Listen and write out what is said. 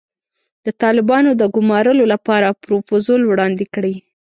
د طالبانو د ګومارلو لپاره پروفوزل وړاندې کړي.